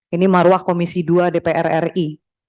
ini marwah komisi dua dpr ri